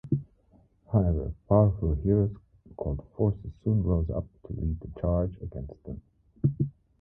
However, powerful heroes called Forces soon rose up to lead the charge against them.